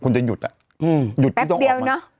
แป๊บเดียวเนอะ